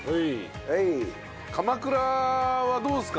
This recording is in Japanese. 鎌倉はどうですか？